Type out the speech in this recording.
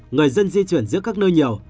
người dân di chuyển giữa các nơi nhiều